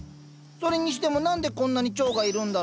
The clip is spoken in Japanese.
それにしても何でこんなに蝶がいるんだろ？